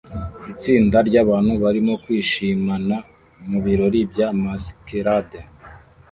Itsinda ryabantu barimo kwishimana mubirori bya masquerade